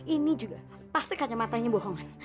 ini juga pasti kacamatanya bohongan